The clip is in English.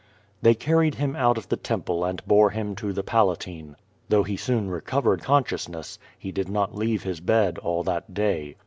They carried him out of the temple and bore him to the Palatine. Though he soon recovered consciousness, he did not leave his bed all that day.